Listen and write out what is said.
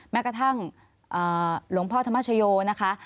แม้กระทั่งหลวงพ่อธรรมชโยนะคะ